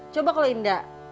coba kalau enggak